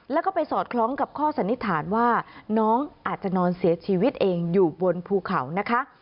แล้วก็ไปสอดคล้องกับข้อสันนิษฐานว่าน้องอาจจะนอนเสียชีวิตเองอยู่บนภูเขานะคะ